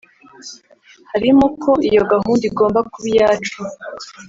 Harimo ko iyo gahunda igomba kuba iyacu